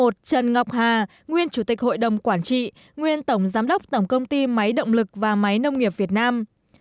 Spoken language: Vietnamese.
một trần ngọc hà nguyên chủ tịch hội đồng quản trị nguyên tổng giám đốc tổng công ty máy động lực và máy nông nghiệp việt nam